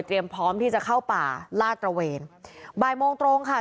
พร้อมที่จะเข้าป่าลาดตระเวนบ่ายโมงตรงค่ะ